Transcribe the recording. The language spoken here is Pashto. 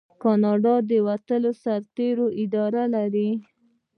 کاناډا د وتلو سرتیرو اداره لري.